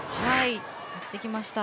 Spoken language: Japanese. やってきました。